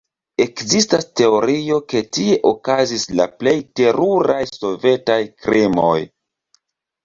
Ekzistas teorio, ke tie okazis la plej teruraj sovetaj krimoj.